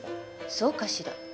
そうかしら。